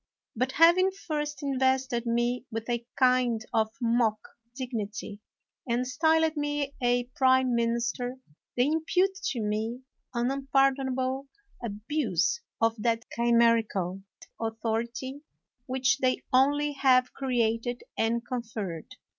But having first invested me with a kind of mock dignity, and styled me a prime minister, they impute to me an unpardon able abuse of that chimerical authority which they only have created and conferred.